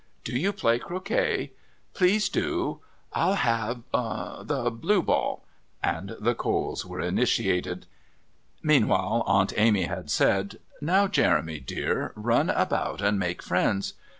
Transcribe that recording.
Do you play croquet? Please do! I'll have the blue ball..." And the Coles were initiated. Meanwhile, Aunt Amy had said: "Now, Jeremy, dear, run about and make friends."